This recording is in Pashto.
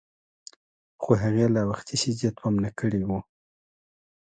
خو هغې لا وختي شیدې تومنه کړي وو.